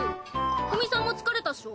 古見さんも疲れたっしょ？